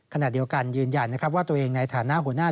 ขณะเดียวกันยืนยันนะครับว่าตัวเองในฐานะหัวหน้า